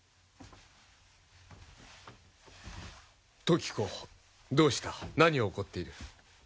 時子どうした何を怒っている？